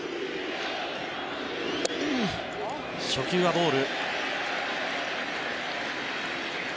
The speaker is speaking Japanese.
初球はボール。